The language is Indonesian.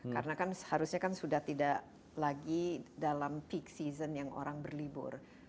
karena kan seharusnya kan sudah tidak lagi dalam peak season yang orang berlibur